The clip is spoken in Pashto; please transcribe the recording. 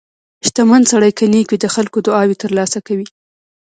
• شتمن سړی که نیک وي، د خلکو دعاوې ترلاسه کوي.